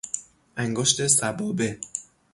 انگشت سبابه